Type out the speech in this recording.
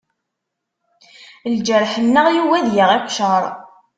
Lǧarḥ-nneɣ, yugi ad yaɣ iqcer.